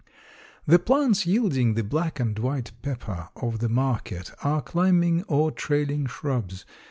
The plants yielding the black and white pepper of the market are climbing or trailing shrubs.